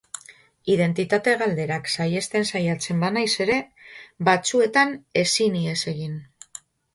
Identitate galderak saihesten saiatzen banaiz ere, batzuetan ezin ihes egin.